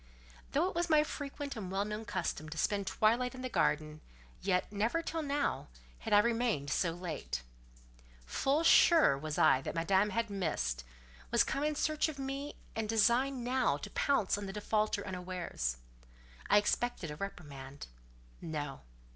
Though it was my frequent and well known custom to spend twilight in the garden, yet, never till now, had I remained so late. Full sure was I that Madame had missed—was come in search of me, and designed now to pounce on the defaulter unawares. I expected a reprimand. No.